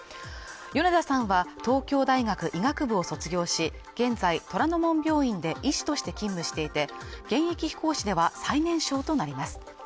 米田さんは東京大学医学部を卒業し、現在、虎の門病院で医師として勤務していて現役講師では最年少となります。